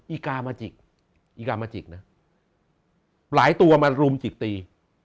อีกามาจิกอีกามาจิกนะหลายตัวมารุมจิกตี